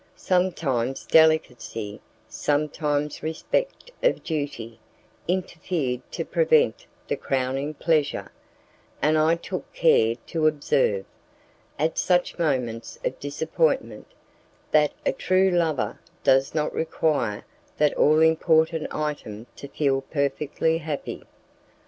Sometimes delicacy, sometimes respect or duty, interfered to prevent the crowning pleasure, and I took care to observe, at such moments of disappointment, that a true lover does not require that all important item to feel perfectly happy.